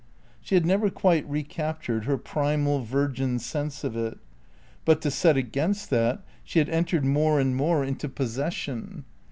She had never quite recaptured her primal, virgin sense of it; but, to set against that, she had entered more and more into possession.